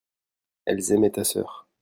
elles aimaient ta sœur.